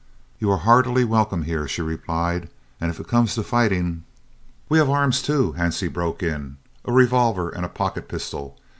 "You are heartily welcome here," she replied, "and if it comes to fighting " "We have arms too," Hansie broke in, "a revolver and a pocket pistol.